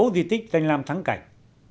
sáu di tích danh lam thắng cảnh